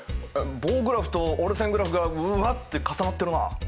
棒グラフと折れ線グラフがブワッて重なってるな。